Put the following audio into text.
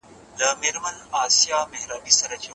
دا ډير پاکوونکی، ډير غوره او ډير پاک عمل دی.